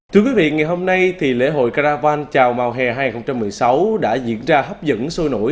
thưa quý vị ngày hôm nay thì lễ hội caravan chào màu hè hai nghìn một mươi sáu đã diễn ra hấp dẫn sôi nổi